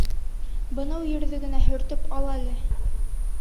— Бынау ерҙе генә һөртөп ал әле.